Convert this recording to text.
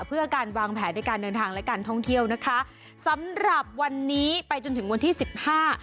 เพื่อการวางแผนในการเดินทางและการท่องเที่ยวนะคะสำหรับวันนี้ไปจนถึงวันที่สิบห้า